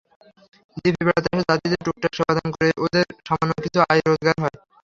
দ্বীপে বেড়াতে আসা যাত্রীদের টুকটাক সেবাদান করে ওদের সামান্য কিছু আয়-রোজগার হয়।